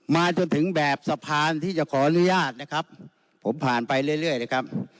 มาจนถึงแบบสะพานที่จะขออนุญาตนะครับผมผ่านไปเรื่อยนะครับ